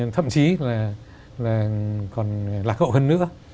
thậm chí là còn lạc hậu hơn nữa